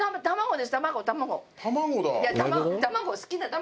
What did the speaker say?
卵。